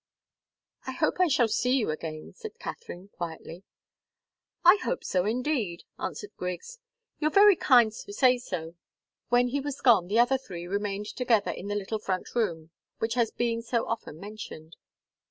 "I hope I shall see you again," said Katharine, quietly. "I hope so, indeed," answered Griggs. "You're very kind to say so." When he was gone the other three remained together in the little front room, which has been so often mentioned.